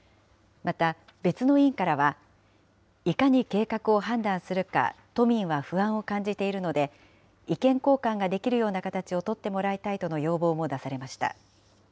また別の委員からは、いかに計画を判断するか、都民は不安を感じているので、意見交換ができるような形を取ってもらいたいとの要望も出されました。